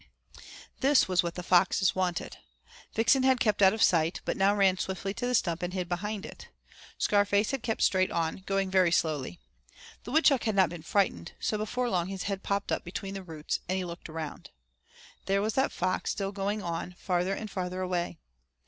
This was what the foxes wanted. Vixen had kept out of sight, but now ran swiftly to the stump and hid behind it. Scarface had kept straight on, going very slowly. The woodchuck had not been frightened, so before long his head popped up between the roots and he looked around. There was that fox still going on, farther and farther away.